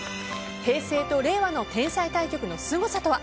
平成と令和の天才対局のすごさとは。